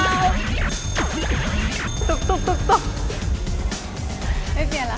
ไม่เปลี่ยนล่ะ